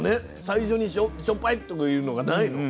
最初にしょっぱいとかいうのがないの。